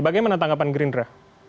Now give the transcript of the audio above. bagaimana tanggapan gerindra